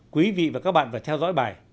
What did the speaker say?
quý vị và các bạn phải theo dõi bài